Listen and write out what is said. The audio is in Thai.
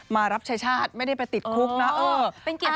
มารับชายชาติไม่ได้ไปติดคุกนะ